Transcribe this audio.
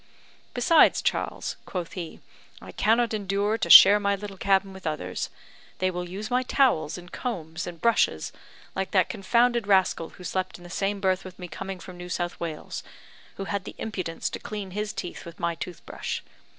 'Besides, Charles,' quoth he, 'I cannot endure to share my little cabin with others; they will use my towels, and combs, and brushes, like that confounded rascal who slept in the same berth with me coming from New South Wales, who had the impudence to clean his teeth with my toothbrush.